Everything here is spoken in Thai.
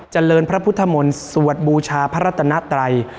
เจริญพระพุทธมนต์สวดบูชาพระรัตนไตร